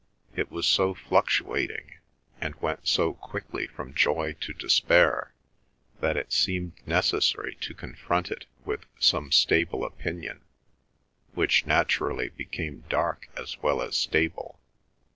It was so fluctuating, and went so quickly from joy to despair, that it seemed necessary to confront it with some stable opinion which naturally became dark as well as stable.